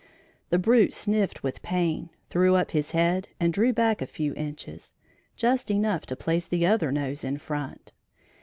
The brute sniffed with pain, threw up his head and drew back a few inches just enough to place the other nose in front.